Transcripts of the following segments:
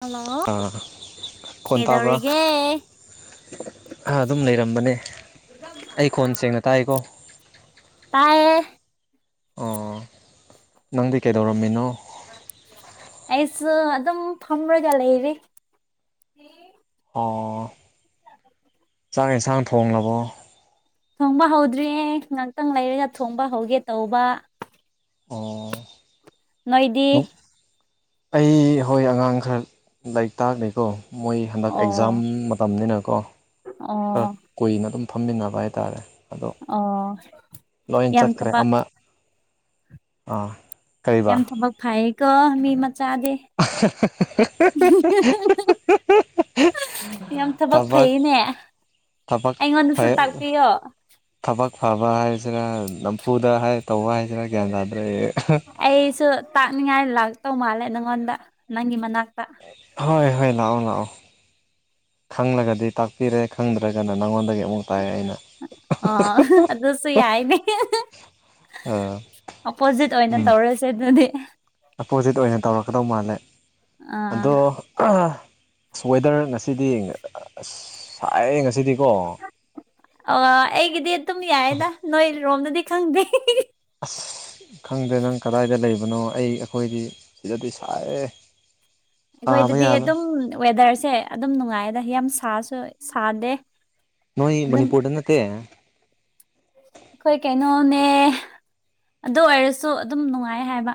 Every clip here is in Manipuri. ꯍꯜꯂꯣ ꯑꯥ ꯈꯣꯟ ꯇꯥꯕ꯭ꯔꯥ ꯀꯩꯗꯧꯔꯤꯒꯦ ꯑ ꯑꯗꯨꯝ ꯂꯩꯔꯝꯕꯅꯦ ꯑꯩ ꯈꯣꯟ ꯁꯦꯡꯅ ꯇꯥꯏꯀꯣ ꯇꯥꯌꯦ ꯑꯣ ꯅꯪꯗꯤ ꯀꯩꯗꯧꯔꯝꯃꯤꯅꯣ ꯑꯩꯁꯨ ꯑꯗꯨꯝ ꯐꯝꯔꯒ ꯂꯩꯔꯤ ꯑꯣ [inaudible] ꯆꯥꯛ ꯏꯟꯁꯥꯡ ꯊꯣꯡꯂꯕꯣ ꯊꯣꯡꯕ ꯍꯧꯗ꯭ꯔꯤꯌꯦ ꯉꯥꯛꯇꯪ ꯂꯩꯔꯒ ꯊꯣꯡꯕ ꯍꯧꯒꯦ ꯇꯧꯕ ꯑꯣ ꯅꯣꯏꯗꯤ ꯑꯩ ꯍꯣꯏ ꯑꯉꯥꯡ ꯈꯔ ꯂꯥꯏꯔꯤꯛ ꯇꯥꯛꯂꯤꯀꯣ ꯃꯣꯏ ꯍꯟꯗꯛ ꯑꯦꯛꯖꯥꯝ ꯃꯇꯝꯅꯤꯅꯀꯣ ꯈꯔ ꯎꯝ ꯀꯨꯏꯅ ꯑꯗꯨꯝ ꯐꯝꯃꯤꯟꯅꯕ ꯍꯥꯏꯇꯥꯔꯦ ꯑꯗꯣ ꯑꯣ ꯂꯣꯏ ꯌꯥꯝ ꯆꯠꯈ꯭ꯔꯦ ꯊꯕꯛ ꯑꯃ ꯑꯥ ꯀꯔꯤꯕ ꯌꯥꯝ ꯊꯕꯛ ꯐꯩꯀꯣ ꯃꯤ ꯃꯆꯥꯗꯤ [unintelligible] [unintelligible] ꯌꯥꯝ ꯊꯕꯛ ꯐꯩꯅꯦ ꯊꯕꯛ ꯑꯩꯉꯣꯟꯗꯁꯨ ꯇꯥꯛꯄꯤꯌꯣ ꯊꯕꯛ ꯐꯕ ꯍꯥꯏꯁꯤꯅ ꯅꯝꯐꯨꯗ ꯍꯥꯏ ꯇꯧꯕ ꯍꯥꯏꯁꯤꯔ ꯒ꯭ꯌꯥꯟ ꯇꯥꯗ꯭ꯔꯦ ꯑꯩ [unintelligible] ꯑꯩꯁꯨ ꯇꯥꯛꯅꯤꯡꯉꯥꯏ ꯂꯥꯛꯇꯧ ꯃꯥꯜꯂꯦ ꯅꯪꯉꯣꯟꯗ ꯅꯪꯒꯤ ꯃꯅꯥꯛꯇ ꯍꯣꯏ ꯍꯣꯏ ꯂꯥꯛꯑꯣ ꯂꯥꯛꯑꯣ ꯈꯪꯂꯒꯗꯤ ꯇꯥꯛꯄꯤꯔꯦ ꯈꯪꯗ꯭ꯔꯒꯅ ꯅꯪꯉꯣꯟꯗꯒꯤ ꯑꯃꯨꯛ ꯇꯥꯛꯑꯦ ꯑꯩꯅ ꯑ ꯑꯗꯨꯁꯨ ꯌꯥꯏꯅꯦ [unintelligible] ꯑꯥ ꯑꯣꯄꯣꯖꯤꯠ ꯑꯣꯏꯅ ꯎꯝ ꯇꯧꯔꯁꯦ ꯑꯗꯨꯗꯤ ꯑꯄꯣꯖꯤꯠ ꯑꯣꯏꯅ ꯇꯧꯔꯛꯀꯗꯧ ꯃꯥꯜꯂꯦ ꯑꯥ ꯑꯗꯣ ꯑꯁ ꯋꯦꯗꯔ ꯉꯁꯤꯗꯤ ꯑꯁ ꯁꯥꯏꯌꯦ ꯉꯁꯤꯗꯤꯀꯣ [unintelligible] ꯑꯩꯒꯤꯗꯤ ꯑꯗꯨꯝ ꯌꯥꯏꯗ ꯅꯣꯏ ꯂꯣꯝꯗꯗꯤ ꯈꯪꯗꯦ [unintelligible] [unintelligible] ꯈꯪꯗꯦ ꯅꯪ ꯀꯗꯥꯏꯗ ꯂꯩꯕꯅꯣ ꯑꯩ ꯑꯩꯈꯣꯏꯗꯤ ꯁꯤꯗꯗꯤ ꯁꯥꯏꯌꯦ ꯁꯥꯕ ꯑꯈꯣꯏꯗꯗꯤ ꯌꯥꯕ ꯑꯗꯨꯝ ꯋꯦꯗꯔꯁꯦ ꯑꯗꯨꯝ ꯅꯨꯡꯉꯥꯏꯌꯦꯗ ꯌꯥꯝ ꯁꯥꯁꯨ ꯁꯥꯗꯦ ꯅꯣꯏ ꯑꯗꯨꯝ ꯃꯅꯤꯄꯨꯔꯗ ꯅꯠꯇꯦ ꯍꫭꯏ ꯀꯩꯅꯣꯅꯦ ꯑꯗꯨ ꯑꯣꯏꯔꯁꯨ ꯑꯗꯨꯝ ꯅꯨꯡꯉꯥꯏ ꯍꯥꯏꯕ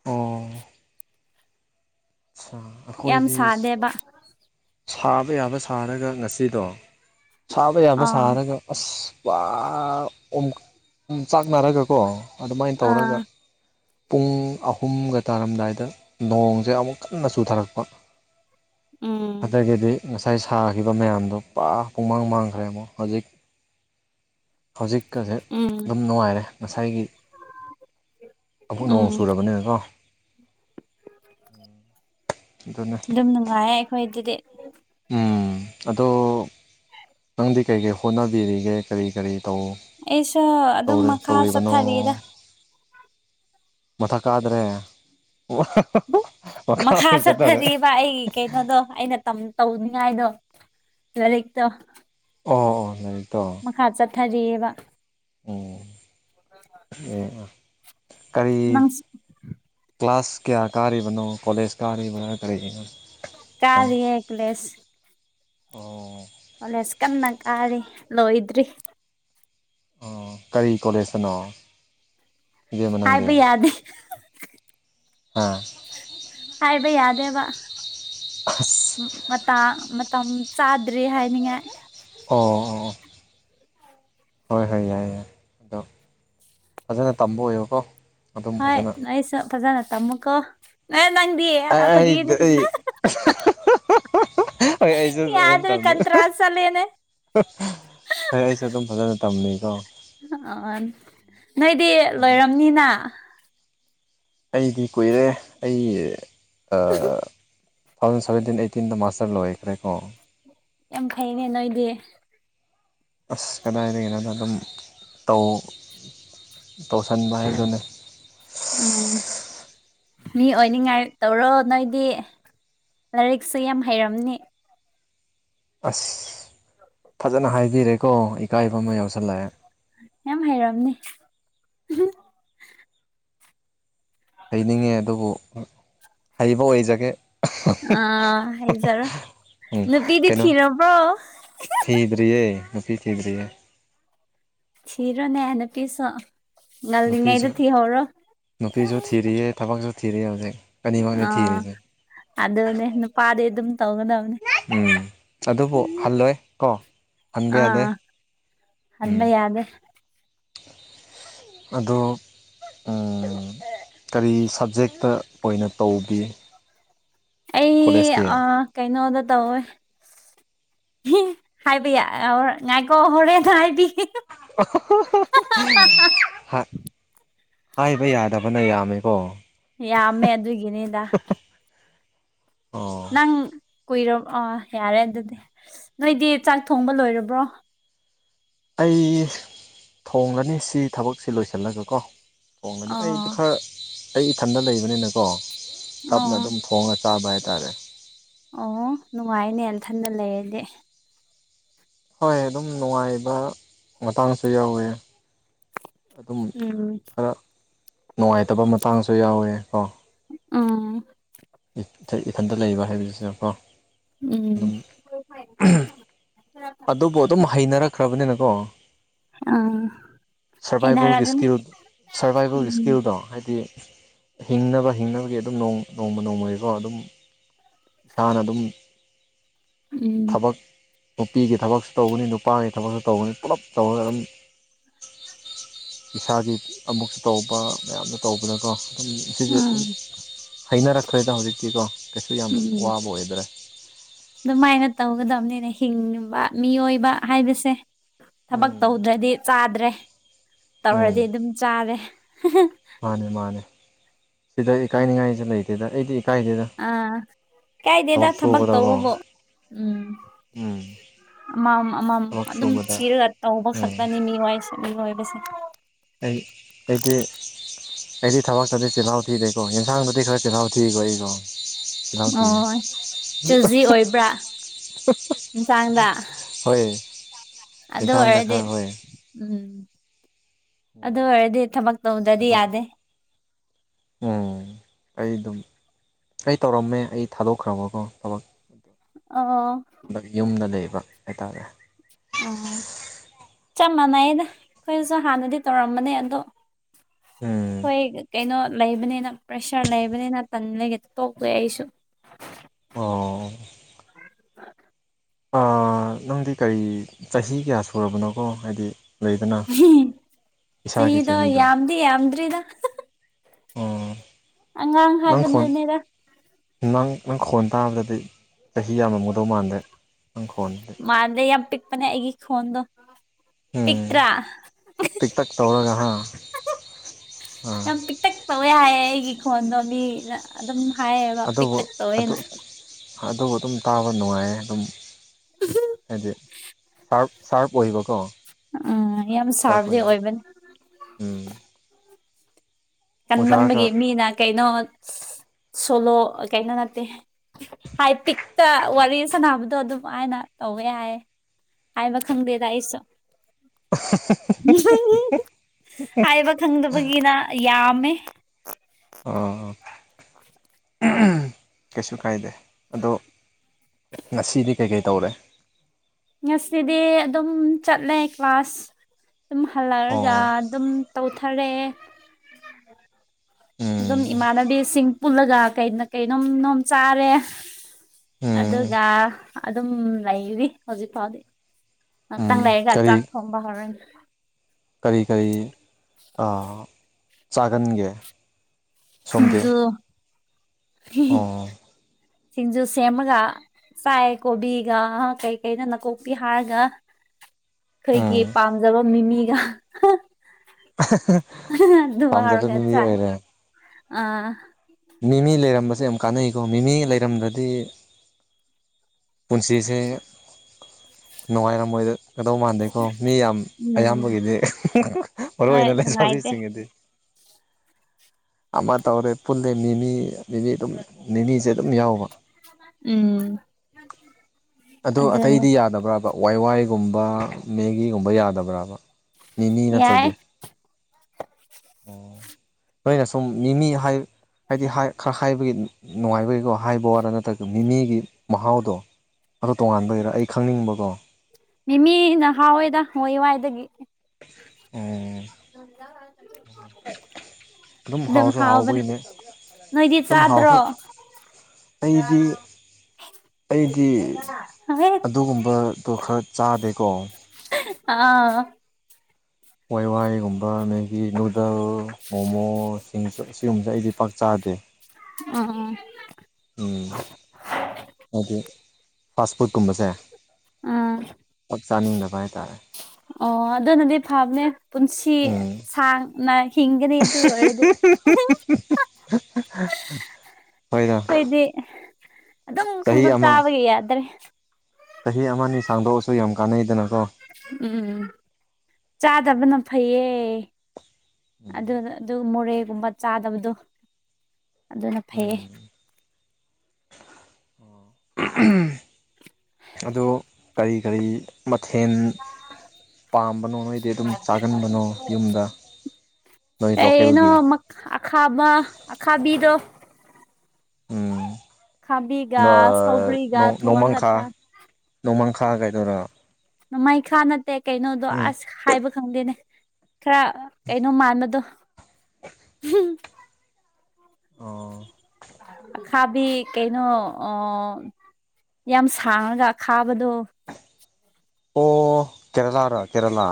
ꯑꯣ ꯁꯨꯝ ꯌꯥꯝ ꯑꯈꯣꯏꯗꯤ ꯁꯥꯗꯦꯕ ꯁꯥꯕ ꯌꯥꯕ ꯁꯥꯔꯒ ꯉꯁꯤꯗꯣ ꯁꯥꯕ ꯌꯥꯕ ꯑꯥ ꯁꯥꯔꯒ ꯑꯁ‌ ꯄꯥ ꯑꫭꯝ ꯑꫭꯝꯆꯥꯛꯅꯔꯒꯀꯣ [unintelligible] ꯑꯗꯨꯝꯃꯥꯏ ꯑꯥ ꯇꯧꯔꯒ ꯄꯨꯡ ꯑꯍꯨꯝꯒ ꯇꯥꯔꯝꯗꯥꯏꯗ ꯅꯣꯡꯖꯦ ꯑꯃꯨꯛ ꯀꯟꯅ ꯆꯨꯊꯔꯛꯄ ꯎꯝ ꯑꯗꯒꯤꯗꯤ ꯉ ꯉꯁꯥꯏ ꯁꯥꯈꯤꯕ ꯃꯌꯥꯝꯗꯣ ꯄꯨꯔꯥ ꯄꯨꯡꯃꯥꯡ ꯃꯥꯡꯈ꯭ꯔꯃꫭ ꯍꯧꯖꯤꯛ ꯍꯧꯖꯤꯛꯀꯁꯦ ꯎꯝ ꯑꯗꯨꯝ ꯅꯨꯡꯉꯥꯏꯔꯦ ꯉꯁꯥꯏꯒꯤ ꯑꯃꯨꯛ ꯅꯣꯡ ꯎꯝ ꯆꯨꯔꯕꯅꯤꯅꯀꯣ ꯑꯗꯨꯅꯦ ꯗꯨꯝ ꯅꯨꯡꯉꯥꯏꯌꯦ ꯑꯈꯣꯏꯒꯤꯗꯤ ꯎꯝ ꯑꯗꯣ ꯅꯪꯗꯤ ꯀꯩꯀꯩ ꯍꯣꯠꯅꯕꯤꯔꯤꯒꯦ ꯀꯔꯤ ꯀꯔꯤ ꯇꯧ ꯑꯩꯁꯨ ꯑꯗꯨꯝ ꯃꯈꯥ ꯇꯧꯔꯤꯕꯅꯣ ꯆꯠꯊꯔꯤꯗ ꯃꯊꯛ ꯀꯥꯗ꯭ꯔꯦ [unintelligible] ꯃꯈꯥ ꯑꯣꯏꯅ ꯆꯠꯊꯔꯦ ꯆꯠꯊꯔꯤꯕ ꯑꯩ ꯀꯩꯅꯣꯗꯣ ꯑꯩꯅ ꯇꯝ‌ ꯇꯧꯅꯤꯡꯉꯥꯏꯗꯣ ꯂꯥꯏꯔꯤꯛꯇꯣ ꯑꯣ ꯂꯥꯏꯔꯤꯛꯇꫭ ꯃꯈꯥ ꯆꯠꯊꯔꯤꯑꯕ ꯑꯣ ꯀꯔꯤ ꯅꯪ ꯀ꯭ꯂꯥꯁ ꯀꯌꯥ ꯀꯥꯔꯤꯕꯅꯣ ꯀꯣꯂꯦꯖ ꯀꯥꯔꯤꯕꯔꯥ ꯀꯔꯤꯅꯣ ꯀꯥꯔꯤꯌꯦ ꯀꯨꯂꯦꯁ ꯑꯣ ꯀꯣꯂꯦꯁ ꯀꯟꯅ ꯀꯥꯔꯤ ꯂꯣꯏꯗ꯭ꯔꯤ ꯑꯣ ꯀꯔꯤ ꯀꯣꯂꯦꯖꯇꯅꯣ ꯏꯕꯦꯃ ꯅꯪꯗꯤ [unintelligible] ꯍꯥ ꯍꯥꯏꯕ ꯌꯥꯗꯦꯕ [unintelligible] ꯃꯇꯥ ꯃꯇꯝ ꯆꯥꯗ꯭ꯔꯤ ꯍꯥꯏꯅꯤꯡꯉꯥꯏ ꯑꯣ ꯑꯣ ꯍꯣꯏ ꯍꯣꯏ ꯌꯥꯏ ꯌꯥꯏ ꯑꯗꯣ ꯐꯖꯅ ꯇꯝꯕ ꯑꯣꯏꯌꯣꯀꯣ ꯑꯗꯨꯝ ꯍꯣꯏ ꯐꯖꯅ ꯅꯣꯏꯁꯨ ꯐꯖꯅ ꯇꯃꯨꯀꯣ ꯅ ꯅꯪꯗꯤ ꯑ ꯑꯩ ꯐꯥꯒꯤꯅꯤ ꯑꯩ ꯍꯣꯏ ꯑꯩꯖꯨ ꯌꯥꯗ꯭ꯔꯦ ꯀꯟꯇ꯭ꯔꯥꯁ ꯆꯠꯂꯦꯅꯦ [unintelligible] ꯁꯦ ꯑꯗꯨꯝ ꯐꯖꯅ ꯇꯝꯃꯤꯀꯣ ꯑ ꯅꯣꯏꯗꯤ ꯑꯗꯣ ꯂꯣꯏꯔꯝꯅꯤꯅ ꯑꯩꯗꯤ ꯀꯨꯏꯔꯦ ꯑꯩ ꯑꯥ ꯇꯨ ꯊꯥꯎꯖꯟ ꯁꯦꯟꯇꯤꯟ ꯑꯩꯇꯤꯟꯗ ꯃꯥꯁꯇꯔ ꯂꯣꯏꯈ꯭ꯔꯦꯀꯣ ꯌꯥꯝ ꯐꯩꯅꯦ ꯅꯣꯏꯗꯤ ꯑꯁ ꯀꯗꯥꯏꯗꯒꯤꯅꯣꯗ ꯑꯗꯨꯝ ꯇꯧ ꯇꯧꯁꯟꯕ ꯍꯥꯏꯗꯨꯅꯦ ꯑ ꯃꯤ ꯑꯣꯏꯅꯤꯡꯉꯥꯏ ꯇꯧꯔꯣ ꯅꯣꯏꯗꯤ ꯂꯥꯏꯔꯤꯛꯁꯨ ꯌꯥꯝ ꯍꯩꯔꯝꯅꯤ ꯑꯁ ꯐꯖꯅ ꯍꯥꯏꯕꯤꯔꯦꯀꯣ ꯏꯀꯥꯏꯕ ꯑꯃ ꯌꯥꯎꯁꯜꯂꯑꯦ ꯌꯥꯝ ꯍꯩꯔꯝꯅꯤ ꯍꯩꯅꯤꯡꯉꯦ ꯑꯗꯨꯕꯨ ꯍꯩꯕ ꯑꯣꯏꯖꯒꯦ ꯑ ꯍꯩꯖꯔꯣ ꯎꯝ ꯅꯨꯄꯤꯗꯤ ꯊꯤꯔꯕ꯭ꯔꯣ ꯗ꯭ꯔꯤꯌꯦ ꯅꯨꯄꯤ ꯊꯤꯗ꯭ꯔꯤꯌꯦ ꯊꯤꯔꯣꯅꯦ ꯅꯨꯄꯤꯁꯨ ꯅꯨꯄꯤꯁꯨ ꯉꯜꯂꯤꯉꯩꯗ ꯊꯤꯍꯧꯔꯣ ꯅꯨꯄꯤꯖꯨ ꯊꯤꯔꯤꯌꯦ ꯊꯕꯛꯖꯨ ꯊꯤꯔꯤꯌꯦ ꯍꯧꯖꯤꯛ ꯑꯅꯤꯃꯛꯅꯤ ꯑ ꯊꯤꯔꯤꯁꯦ ꯑꯗꯨꯅꯦ ꯅꯨꯄꯥꯗꯤ ꯑꯗꯨꯝ ꯇꯧꯒꯗꯕꯅꯦ ꯎꯝ ꯑꯗꯨꯕꯨ ꯍꯜꯂꯣꯏ ꯀꯣ ꯍꯟꯕ ꯌꯥꯗꯦ ꯑꯥ ꯎꯝ ꯍꯟꯕ ꯌꯥꯒꯦ ꯑꯗꯣ ꯎꯝ ꯀꯔꯤ ꯁꯕꯖꯦꯛꯇ ꯑꯣꯏꯅ ꯇꯧꯕꯤ ꯑꯩ ꯀꯣꯂꯦꯖꯇꯤ ꯑꯥ ꯀꯩꯅꯣꯗ ꯇꯧꯋꯦ ꯍꯥꯏꯕ ꯌꯥ ꯉꯥꯏꯀꯣ ꯍꯣꯔꯦꯟ ꯍꯥꯏꯕꯤ ꯍꯥꯏꯕ ꯌꯥꯗꯕꯅ ꯌꯥꯝꯃꯦꯀꯣ ꯌꯥꯝꯃꯦ ꯑꯗꯨꯒꯤꯅꯤꯗ ꯑꯣ ꯅꯪ ꯀꯨꯏꯔ ꯑꯥ ꯌꯥꯔꯦ ꯑꯗꯨꯗꯤ ꯅꯣꯏꯗꯤ ꯆꯥꯛ ꯊꯣꯡꯕ ꯂꯣꯏꯔꯕ꯭ꯔꯣ ꯑꯩ ꯊꯣꯡꯒꯅꯤ ꯁꯤ ꯊꯕꯛꯁꯦ ꯂꯣꯏꯁꯜꯂꯒꯀꯣ ꯊꯣꯡꯉꯅꯤ ꯑꯩꯗ ꯑꯥ ꯈꯔ ꯑꯩ ꯏꯊꯟꯗ ꯂꯩꯕꯅꯤꯅꯀꯣ ꯇꯞꯅ ꯑꯣ ꯑꯗꯨꯝ ꯊꯣꯡꯉ ꯆꯥꯕ ꯍꯥꯏꯇꯥꯔꯦ ꯑꯣ ꯅꯨꯡꯉꯥꯏꯅꯦ ꯅꯊꯟꯅ ꯂꯩꯔꯗꯤ ꯍꯣꯏ ꯑꯗꯨꯝ ꯅꯨꯡꯉꯥꯏꯕ ꯃꯇꯥꯡꯁꯨ ꯌꯥꯎꯋꯤ ꯑꯗꯨꯝ ꯎꯝ ꯈꯔ ꯅꯨꯡꯉꯥꯏꯇꯕ ꯃꯇꯥꯡꯁꯨ ꯌꯥꯎꯋꯦ ꯀꯣ ꯎꯝ [unintelligible] ꯏꯊꯟꯇ ꯂꯩꯕ ꯍꯥꯏꯕꯁꯤꯅ ꯀꯣ ꯎꯝ [unintelligible] ꯑꯗꯨꯕꯨ ꯑꯗꯨꯝ ꯍꯩꯅꯔꯛꯈ꯭ꯔꯕꯅꯤꯅꯀꯣ ꯑ ꯁꯔꯕꯥꯏꯕꯦꯜꯒꯤ ꯏꯁꯀꯤꯜ ꯁꯔꯕꯥꯏꯕꯦꯜꯒꯤ ꯎꯝ ꯏꯁꯀꯤꯜꯗꯣ ꯍꯥꯏꯗꯤ ꯍꯤꯡꯅꯕ ꯍꯤꯡꯅꯕꯒꯤ ꯑꯗꯨꯝ ꯅꯣꯡꯃ ꯅꯣꯡꯃꯒꯤꯀꯣ ꯑꯗꯨꯝ ꯏꯁꯥꯅ ꯑꯗꯨꯝ ꯎꯝ ꯊꯕꯛ ꯅꯨꯄꯤꯒꯤ ꯊꯕꯛꯁꯨ ꯇꯧꯒꯅꯤ ꯅꯨꯄꯥꯒꯤ ꯊꯕꯛꯁꯨ ꯇꯧꯕꯅꯤ ꯄꯨꯂꯞ ꯇꯧꯔꯒ ꯑꯗꯨꯝ ꯏꯁꯥꯒꯤ ꯑꯃꯨꯛꯁꯨ ꯇꯧꯕ ꯃꯌꯥꯝꯅ ꯇꯧꯕꯅꯀꯣ ꯑꯗꯨꯝ ꯁꯤꯁꯦ ꯑꯗꯨꯝ ꯎꯝ ꯍꯩꯅꯔꯛꯈ꯭ꯔꯦꯗ ꯍꯧꯖꯤꯛꯇꯤꯀꯣ ꯀꯩꯁꯨ ꯌꯥꯝ ꯎꯝ ꯋꯥꯕ ꯑꯣꯏꯗ꯭ꯔꯦ ꯑꯗꯨꯃꯥꯏꯅ ꯇꯧꯒꯗꯝꯅꯤꯅꯦ ꯍꯤꯡꯕ ꯃꯤꯑꯣꯏꯕ ꯍꯥꯏꯕꯁꯦ ꯊꯕꯛ ꯎꯝ ꯇꯧꯗ꯭ꯔꯗꯤ ꯆꯥꯗ꯭ꯔꯦ ꯇꯧꯔꯗꯤ ꯎꯝ ꯑꯗꯨꯝ ꯆꯥꯔꯦ ꯃꯥꯅꯦ ꯃꯥꯅꯦ ꯁꯤꯗ ꯏꯀꯥꯏꯅꯤꯉꯥꯏꯁꯦ ꯂꯩꯇꯦꯗ ꯑꯩꯗꯤ ꯏꯀꯥꯏꯗꯦꯗ ꯑ ꯏꯀꯥꯏꯗꯦꯗ ꯊꯕꯛ ꯇꯧꯕꯕꯨ ꯎꯝ ꯎꯝ ꯑꯃꯝ ꯑꯃꯝ ꯊꯕꯛ ꯑꯗꯨꯝ ꯁꯨꯕꯗ ꯊꯤꯔꯒ ꯇꯧꯕ ꯎꯝ ꯈꯛꯇꯅꯦ [unintelligible] ꯃꯤꯑꫭꯏꯕꯁꯦ ꯑꯩ ꯑꯩꯗꯤ ꯑꯩꯗꯤ ꯊꯕꯛꯇꯗꯤ ꯆꯤꯜꯍꯥꯎ ꯊꯤꯗꯦꯀꯣ ꯌꯦꯟꯁꯥꯡꯗꯗꯤ ꯈꯔ ꯆꯤꯜꯍꯥꯎ ꯊꯤꯈꯣ ꯑꯩꯀꯣ ꯆꯤꯜꯍꯥꯎ ꯊꯤꯌꯦ ꯑꯣ ꯆꯨꯖꯤ ꯑꯣꯏꯕ꯭ꯔ [unintelligible] ꯏꯟꯁꯥꯡꯗ ꯍꯣꯏ ꯑꯗꯨ ꯌꯦꯟꯁꯥꯡꯗ ꯑꯣꯏꯔꯗꯤ ꯈꯔ ꯍꯣꯏ ꯎꯝ ꯑꯗꯨ ꯎꯝ ꯑꯣꯏꯔꯗꯤ ꯊꯕꯛ ꯇꯧꯗꯗꯤ ꯑꯗꯨꯝ ꯌꯥꯗꯦ ꯎꯝ ꯑꯩ ꯑꯗꯨꯝ ꯑꯩ ꯇꯧꯔꯝꯃꯦ ꯑꯩ ꯊꯥꯗꯣꯛꯈ꯭ꯔꯕꯀꯣ ꯊꯕꯛ ꯑꯣ [unintelligible] ꯌꯨꯝꯗ ꯂꯩꯕ ꯍꯥꯏꯇꯥꯔꯦ ꯎꯝ ꯆꯞ ꯃꯥꯟꯅꯩꯗ ꯑꯩꯈꯣꯏꯁꯨ ꯍꯥꯟꯅꯗꯤ ꯇꯧꯔꯝꯕꯅꯦ ꯑꯗꯣ ꯎꯝ ꯑꯩꯈꯣꯏ ꯀꯩꯅꯣ ꯂꯩꯕꯅꯤꯅ ꯄ꯭ꯔꯦꯁꯔ ꯂꯩꯕꯅꯤꯅ ꯇꯟ ꯂꯩꯒ ꯇꯣꯛꯂꯦ ꯑꯩꯁꯨ ꯑꯣ ꯑ ꯅꯪꯗꯤ ꯀꯔꯤ ꯆꯍꯤ ꯀꯌꯥ ꯁꯨꯔꯕꯅꯣꯀꯣ ꯍꯥꯏꯗꯤ ꯂꯩꯗꯅ ꯏꯁꯥꯒꯤ ꯆꯍꯤꯗꯣ [unintelligible] ꯌꯥꯝꯗ꯭ꯔꯤꯗ ꯑꫭ ꯑꯉꯥꯡ ꯍꯥꯏꯕꯗꯨꯅꯤꯗ ꯅꯪ ꯅꯪ ꯈꯣꯟ ꯇꯥꯕꯗꯗꯤ ꯆꯍꯤ ꯌꯥꯝꯃꯝꯒꯗꯧ ꯃꯥꯟꯗꯦ ꯅꯪ ꯈꯣꯟ ꯃꯥꯟꯗꯦ ꯌꯥꯝ ꯄꯤꯛꯄꯅꯦ ꯑꯩꯒꯤ ꯈꯣꯟꯗꯣ ꯎꯝ ꯄꯤꯛꯇ꯭ꯔ‌ [unintelligible] ꯇꯤꯛꯇꯛ ꯇꯧꯔꯒ ꯍꯥ ꯑꯥ ꯌꯥꯝ ꯄꯤꯇꯛ ꯇꯧꯋꯦ ꯍꯥꯏꯌꯦ ꯑꯩꯒꯤ ꯈꯣꯟꯗꯣ ꯃꯤꯅ ꯑꯗꯨꯝ ꯍꯥꯏꯌꯦꯕ ꯑꯗꯨꯕꯨ ꯄꯤꯛꯇꯛ ꯑꯗꯨ ꯇꯧꯋꯦꯅ ꯑꯗꯨꯕꯨ ꯑꯗꯨꯝ ꯇꯥꯕ ꯅꯨꯡꯉꯥꯏꯌꯦ ꯑꯗꯨꯝ ꯍꯥꯏꯗꯤ ꯇꯥꯔꯞ ꯇꯥꯔꯞ ꯑꯣꯏꯒ ꯀꯣ ꯎꯝ ꯌꯥꯝ ꯁꯥꯕꯗꯤ ꯑꯣꯏꯕꯅꯤ ꯎꯝ ꯑꯣꯖꯥꯒ ꯀꯟꯃꯟꯕꯒꯤ ꯃꯤꯅ ꯀꯩꯅꯣ ꯁꯣꯂꯣ ꯀꯩꯅꯣ ꯅꯠꯇꯦ ꯍꯥꯏ ꯄꯤꯛꯇ ꯋꯥꯔꯤ ꯁꯥꯟꯅꯕꯗꯣ ꯑꯗꯨꯃꯥꯏꯅ ꯇꯧꯋꯦ ꯌꯥꯏꯌꯦ ꯍꯥꯏꯕ ꯈꯪꯗꯦꯗ ꯑꯩꯁꯨ [unintelligible] ꯍꯥꯏꯕ ꯈꯪꯗꯕꯒꯤꯅ ꯌꯥꯝꯃꯦ ꯑꯣ [inaudible] ꯀꯩꯁꯨ ꯀꯥꯏꯗꯦ ꯑꯗꯣ ꯉꯁꯤꯗꯤ ꯀꯩ ꯀꯩ ꯇꯧꯔꯦ ꯉꯁꯤꯗꯤ ꯑꯗꯨꯝ ꯆꯠꯂꯦ ꯀ꯭ꯂꯥꯁ ꯑꯗꯨꯝ ꯍꯜꯂꯛꯔꯒ ꯑꯣ ꯑꯗꯨꯝ ꯇꯧꯊꯔꯦ ꯎꯝ ꯑꯗꯨꯝ ꯏꯃꯥꯟꯅꯕꯤꯁꯤꯡ ꯄꯨꯜꯂꯒ ꯀꯩ ꯀꯩꯅꯣꯝ ꯅꯝ ꯆꯥꯔꯦ ꯎꯝ ꯑꯗꯨꯒ ꯑꯗꯨꯝ ꯂꯩꯔꯤ ꯍꯧꯖꯤꯛ ꯐꯥꯎꯗꯤ ꯎꯝ ꯉꯥꯛꯇꯪ ꯂꯩꯔꯒ ꯀꯔꯤ ꯆꯥꯛ ꯊꯣꯡꯕ ꯍꯧꯔꯅꯤ ꯀꯔꯤ ꯀꯩ ꯑꯥ ꯆꯥꯒꯟꯒꯦ ꯁꯣꯝꯗꯤ ꯁꯤꯡꯖꯨ ꯑꯣ ꯁꯤꯡꯖꯨ ꯁꯦꯝꯃꯒ ꯆꯥꯏ ꯀꯣꯕꯤꯒ ꯀꯩꯀꯩꯅꯣ ꯅꯥꯀꯣꯛꯄꯤ ꯍꯥꯔꯒ ꯈꯣꯏꯒꯤ ꯎꯝ ꯄꯥꯝꯖꯕ ꯃꯤꯃꯤꯒ ꯄꯥꯝꯖꯕ [unintelligible] ꯃꯤꯃꯤ ꯆꯥꯏ ꯑꯣꯏꯔꯦ ꯃꯤꯃꯤ ꯂꯩꯔꯝꯕꯁꯦ ꯌꯥꯝ ꯀꯥꯟꯅꯩꯀꯣ ꯃꯤꯃꯤ ꯂꯩꯔꯝꯗꯗꯤ ꯄꯨꯟꯁꯤꯁꯦ ꯅꯨꯡꯉꯥꯏꯔꯝꯃꯣꯏꯗ ꯀꯗꯧ ꯃꯥꯟꯗꯦꯀꯣ ꯃꯤ ꯌꯥꯝ ꯎꯝ ꯑꯌꯥꯝꯕꯒꯤꯗꯤ ꯃꯔꯨ ꯍꯣꯏ ꯑꯣꯏꯅ ꯅꯨꯡꯉꯥꯏꯇꯦ ꯂꯩꯁꯥꯕꯤꯁꯤꯡꯒꯤꯗꯤ ꯑꯃ ꯇꯧꯔꯦ ꯄꯨꯜꯂꯦ ꯃꯤꯃꯤ ꯑꯗꯒꯤ ꯑꯗꯨꯝ ꯅꯤꯅꯤꯖꯦ ꯑꯗꯨꯝ ꯌꯥꯎꯕ ꯎꯝ ꯑꯗꯣ ꯑꯇꯩꯗꯤ ꯑꯗꯨꯅꯤ ꯌꯥꯗꯕ꯭ꯔꯥꯕ ꯋꯥꯏ ꯋꯥꯏ ꯒꯨꯝꯕ ꯃꯦꯒꯤꯒꯨꯝꯕ ꯌꯥꯗꯕ꯭ꯔꯕ ꯃꯤꯃꯤ ꯅꯠꯇ꯭ꯔꯗꯤ ꯌꯥꯏ ꯑꯣ ꯅꯣꯏꯅ ꯁꯨꯝ ꯅꯤꯃꯤ ꯍꯥꯏ ꯍꯥꯏꯗꯤ ꯍꯥꯏ ꯈꯔ ꯍꯥꯏꯕꯒꯤ ꯅꯨꯡꯉꯥꯏꯕꯒꯤꯀꯣ ꯍꯥꯏꯕ ꯋꯥꯔꯥ ꯅꯠꯇ꯭ꯔꯒ ꯃꯤꯃꯤꯒꯤ ꯃꯍꯥꯎꯗꯣ ꯑꯗꯣ ꯇꯣꯉꯥꯟꯕꯩꯔꯥ ꯑꯩ ꯈꯪꯅꯤꯡꯕꯀꯣ ꯃꯤꯃꯤꯅ ꯍꯥꯎꯋꯦꯗ ꯋꯥꯏ ꯋꯥꯏꯗꯒꯤ ꯑꯣ [inaudible] ꯑꯗꯨꯝ ꯗꯨꯝ ꯍꯥꯎꯁꯨ ꯍꯥꯎꯕꯅꯦ ꯍꯥꯎꯕꯒꯤꯅꯦ ꯅꯣꯏꯗꯤ ꯑꯗꯨꯝ ꯆꯥꯗ꯭ꯔꯣ ꯍꯥꯎꯁꯨ [inaudible] ꯑꯩꯗꯤ ꯑꯩꯗꯤ ꯍꯦꯛ ꯑꯗꯨꯒꯨꯝꯕꯗꯣ ꯈꯔ ꯆꯥꯗꯦꯀꯣ ꯑꯥ ꯋꯥꯏ ꯋꯥꯏ ꯒꯨꯝꯕ ꯃꯦꯒꯤ ꯅꯨꯗꯜ ꯃꯣꯃꯣ ꯁꯤꯡꯁꯨ ꯑꯁꯤꯒꯨꯝꯕꯖꯦ ꯑꯩꯗꯤ ꯄꯥꯛ ꯆꯥꯗꯦ ꯑꯥ ꯎꯝ ꯍꯥꯏꯗꯤ ꯐꯥꯁ ꯐꯨꯗ ꯀꯨꯝꯕꯁꯦ ꯎꯝ ꯄꯛ ꯆꯥꯅꯤꯡꯗꯕ ꯍꯥꯏꯇꯥꯔꯦ ꯑꯣ ꯑꯗꯨꯅꯗꯤ ꯐꯥꯕꯅꯦ ꯄꯨꯟꯁꯤ ꯎꯝ ꯁꯥꯡꯅ ꯍꯤꯡꯒꯅꯤ ꯑꯗꯨ ꯑꯣꯏꯔꯗꯤ ꯍꯣꯏꯗ ꯈꯣꯏꯗꯤ ꯑꯗꯨꯝ ꯆꯍꯤ ꯈꯪꯗꯣꯛ ꯑꯃ ꯆꯥꯕꯒꯤ ꯌꯥꯗ꯭ꯔꯦ ꯆꯍꯤ ꯑꯃꯅꯤ ꯁꯥꯡꯗꯣꯛꯑꯁꯨ ꯌꯥꯝ ꯀꯥꯟꯅꯩꯗꯅꯀꯣ ꯎꯝ ꯆꯥꯗꯕꯅ ꯐꯩꯌꯦ ꯎꯝ ꯑꯗꯨꯅ ꯑꯗꯨꯝ ꯃꯣꯔꯦꯒꯨꯝꯕ ꯆꯥꯗꯕꯗꯨ ꯑꯗꯨꯅ ꯐꯩꯌꯦ ꯑꯗꯨ ꯀꯔꯤ ꯀꯔꯤ ꯃꯊꯦꯟ ꯄꯥꯝꯕꯅꯣ ꯅꯣꯏꯗꯤ ꯑꯗꯨꯝ ꯆꯥꯒꯟꯕꯅꯣ ꯌꯨꯝꯗ ꯅꯣꯏ ꯀꯩꯅꯣ ꯂꯣꯀꯦꯜꯒꯤ ꯑꯈꯥꯕ- ꯑꯈꯥꯕꯤꯗꯣ ꯎꯝ ꯑꯈꯥꯕꯤꯒ ꯅꯥ ꯁꯧꯒ꯭ꯔꯤꯒ ꯅꯣꯡ ꯊꯣꯡꯉꯒ ꯅꯣꯡꯃꯥꯡꯈꯥ ꯆꯥ ꯅꯣꯡꯃꯥꯡꯈꯥ ꯀꯩꯗꯨꯔꯥ ꯅꯣꯡꯃꯩꯈꯥ ꯅꯠꯇꯦ ꯀꯩꯅꯣꯗꯣ ꯑꯥꯁ ꯍꯥꯏꯕ ꯈꯪꯗꯦꯅꯦ ꯈꯔ ꯀꯩꯅꯣ ꯃꯥꯟꯕꯗꯣ ꯑꯣꯑ ꯑꯈꯥꯕꯤ ꯀꯩꯅꯣ ꯑꯣ ꯌꯥꯝ ꯁꯥꯡꯉꯒ ꯈꯥꯕꯗꯣ ꯑꯣ ꯑꯣ ꯀꯦꯔꯂꯥꯔꯣ ꯀꯦꯔꯂꯥ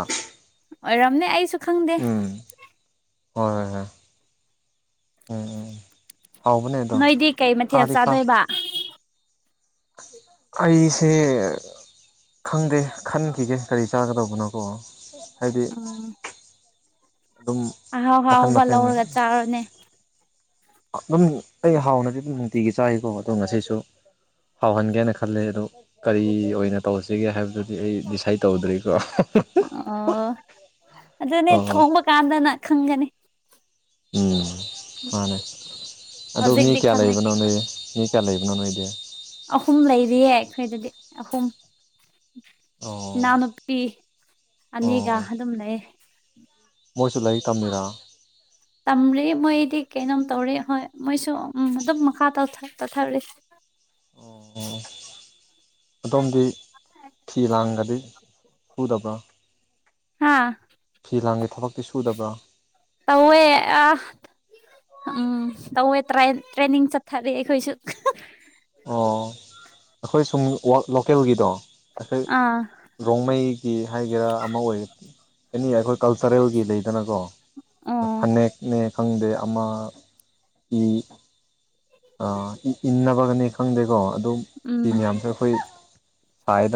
ꯑꯣꯏꯔꯝꯅꯦ ꯑꯩꯁꯨ ꯈꯪꯗꯦ ꯎꯪ ꯍꯣꯏ ꯍꯣꯏ ꯎꯪ ꯎꯪ ꯍꯥꯎꯕꯅꯦ ꯑꯗꯣ ꯈꯥꯗꯤꯈꯥ ꯍꯥ ꯑꯩꯁꯦ ꯈꯪꯗꯦ ꯈꯟꯈꯤꯒꯦ ꯀꯔꯤ ꯆꯥꯒꯗꯧꯕꯅꯣꯀꯣ ꯍꯥꯏꯗꯤ ꯑꯗꯨꯝ ꯑꯍꯥꯎꯕ ꯃꯈꯟ ꯑꯍꯥꯎꯕ ꯃꯊꯦꯜ ꯂꯧꯔꯒ ꯆꯥꯔꯣꯅꯦ ꯑꯗꯨꯝ ꯑꯩ ꯍꯥꯎꯅꯗꯤ ꯑꯗꯨꯝ ꯅꯨꯡꯇꯤꯒꯤ ꯆꯥꯏꯀꯣ ꯑꯗꯣ ꯉꯁꯤꯁꯨ ꯍꯥꯎꯍꯟꯒꯦꯅ ꯈꯜꯂꯤ ꯑꯗꯨ ꯀꯔꯤ ꯑꯣꯏꯅ ꯇꯧꯁꯤꯒꯦ ꯍꯥꯏꯕꯗꯨꯗꯤ ꯑꯩ ꯗꯤꯁꯥꯏꯠ ꯇꯧꯗ꯭ꯔꯤꯀꯣ ꯑꯥꯑ ꯑꯗꯨꯅꯦ ꯑꯣ ꯊꯣꯡꯕ ꯀꯥꯟꯗꯅꯦ ꯈꯪꯒꯅꯤ ꯎꯪ ꯃꯥꯟꯅꯦ ꯑꯗꯣ ꯃꯤ ꯍꯧꯖꯤꯛꯇꯤ ꯀꯌꯥ ꯈꯪꯉꯣꯏ ꯂꯩꯕꯅꯣ ꯅꯣꯏ ꯃꯤ ꯀꯌꯥ ꯂꯩꯕꯅꯣ ꯅꯣꯏꯗꯤ ꯑꯍꯨꯝ ꯂꯩꯔꯤꯌꯦ ꯑꯩꯈꯣꯏꯗꯗꯤ ꯑꯍꯨꯝ ꯑꯣꯑꯣ ꯏꯅꯥꯎꯅꯨꯄꯤ ꯑꯅꯤꯒ ꯑꯗꯨꯝ ꯂꯩꯑꯦ ꯃꯣꯏꯁꯨ ꯂꯥꯏꯔꯤꯛ ꯇꯝꯃꯤꯔ ꯇꯝꯔꯤ ꯃꯣꯏꯗꯤ ꯀꯩꯅꯣꯝ ꯇꯧꯔꯤ ꯍꯣꯏ ꯃꯣꯏꯁꯨ ꯎꯝ ꯑꯗꯨꯝ ꯃꯈꯥ ꯇꯣꯊꯔꯤ ꯑꯣꯑꯣ ꯑꯗꯣꯝꯗꯤ ꯐꯤ ꯂꯥꯡꯒꯗꯤ ꯁꯨꯗ ꯕ꯭ꯔꯥ ꯍꯥ ꯐꯤ ꯂꯥꯡꯒꯤ ꯊꯕꯛꯇꯤ ꯁꯨꯗꯕ꯭ꯔꯥ ꯇꯧꯋꯦ ꯑꯥ ꯎꯪ ꯇꯧꯋꯦ ꯇ꯭ꯔꯥꯏ ꯇ꯭ꯔꯦꯟꯅꯤꯡ ꯆꯠꯊꯔꯤ ꯑꯩꯈꯣꯏꯁꯨ ꯑꯣꯑꯣ ꯑꯩꯈꯣꯏ ꯁꯣꯝ ꯋꯥꯔꯛ ꯂꯣꯀꯦꯜꯒꯤꯗꯣ ꯑꯩꯈꯣꯏ ꯑꯥ ꯔꯣꯡꯃꯩꯒꯤ ꯍꯥꯏꯒꯦꯔꯥ ꯑꯃ ꯑꯣꯏ ꯑꯦꯅꯤ ꯑꯩꯈꯣꯏ ꯀꯜꯆꯔꯦꯜꯒꯤ ꯂꯩ ꯗꯅꯀꯣ ꯑꯣ ꯐꯅꯦꯛꯅꯦ ꯈꯪꯗꯦ ꯑꯃ ꯏ ꯑꯥꯑ ꯏꯟꯅꯕꯒꯅꯤ ꯈꯪꯗꯦꯀꯣ ꯑꯗꯨꯝ ꯎꯝ ꯐꯤ ꯃꯌꯥꯝꯁꯨ ꯑꯩꯈꯣꯏ ꯁꯥꯏꯗ